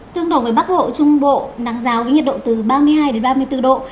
tương đồng với bắc bộ trung bộ nắng giáo với nhiệt độ từ ba mươi hai đến ba mươi bốn độ